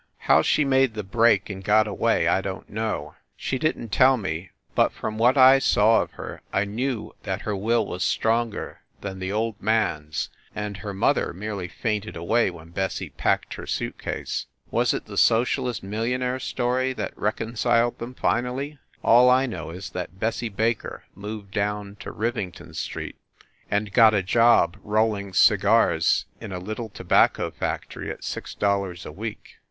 How she made the break and got away I don t know. She didn t tell me, but from what I saw of her I knew that her will was stronger than the old man s and her mother merely fainted away when Bessie packed her suit case. Was it the socialist millionaire story which reconciled them, finally ? All I know is that Bessie Baker moved down to Riving ton Street and got a job rolling cigars in a little to bacco factory at six dollars a week.